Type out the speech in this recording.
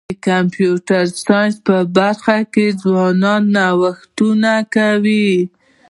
د کمپیوټر ساینس په برخه کي ځوانان نوښتونه کوي.